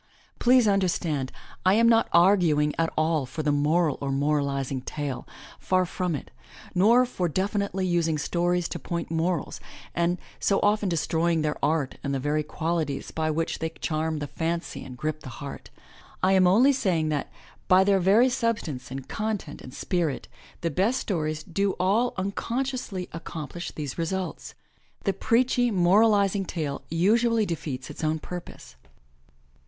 Please understand, I am not arguing at all for the moral or moralizing tale — far, far from it, nor for definitely using stories to point morals, and so often destroying their art and the very quali ties by which they charm the fancy and grip the heart. I am only saying that, by their very substance and content and spirit, the best stories do all unconsciously accomplish these results. The preachy, moralizing tale usually defeats its own purpose.